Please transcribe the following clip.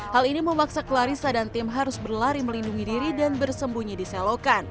hal ini memaksa clarissa dan tim harus berlari melindungi diri dan bersembunyi di selokan